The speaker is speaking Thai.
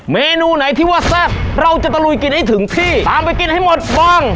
เมนูไหนที่ว่าแซ่บเราจะตะลุยกินให้ถึงที่ตามไปกินให้หมดบ้าง